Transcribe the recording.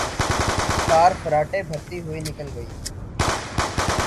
کار فراٹے بھرتی ہوئے نکل گئی۔